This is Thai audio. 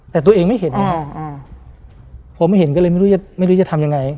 แต่ตัวเองไม่เห็นผมเห็นก็เลยไม่รู้จะไม่รู้จะทำยังไง